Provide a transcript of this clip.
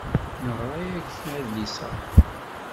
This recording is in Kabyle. Neɣra yagi adlis-a.